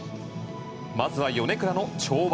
まずは米倉の跳馬